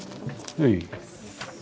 はい。